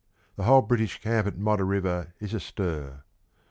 The whole British camp at Modder River is astir.